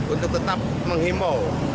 untuk tetap menghimbau